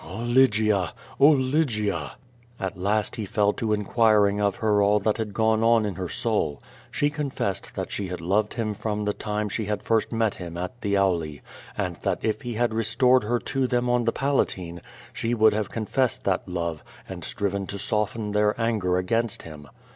"Oh, Lygia! oh, Lygia!" At last he fell to inquiring of her all that had gone on in lior soul. She confessed that she had loved him from the time she had first met him at the Auli, and that if he had restored her to them on the Palatine, she would have con fessed that love and striven to soften tlicir anger against him.